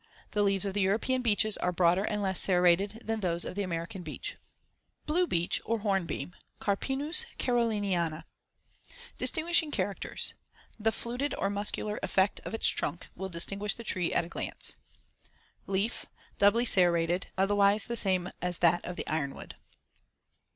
The leaves of the European beeches are broader and less serrated than those of the American beech. BLUE BEECH OR HORNBEAM (Carpinus caroliniana) Distinguishing characters: The *fluted* or muscular effect of its *trunk* will distinguish the tree at a glance, Fig. 54. Leaf: Doubly serrated; otherwise the same as that of ironwood.